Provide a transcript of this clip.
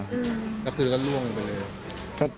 แล้วคือล่วงไปเลย